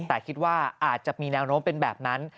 แต่คิดว่าอาจจะมีแนวโน้มเป็นแบบนั้น